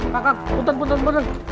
kang puter puter puter